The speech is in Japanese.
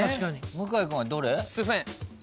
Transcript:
向井君はどれ？